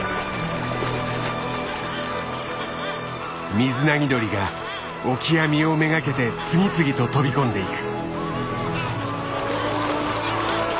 ミズナギドリがオキアミを目がけて次々と飛び込んでいく。